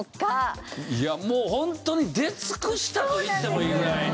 もうホントに出尽くしたと言ってもいいぐらい。